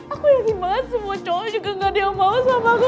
aku hebat semua cowok juga gak ada yang mau sama aku